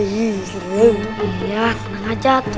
iya tenang aja